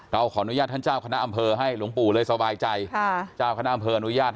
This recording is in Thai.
เพราะจิตใจของเขาก็ไม่บริสุทธิ์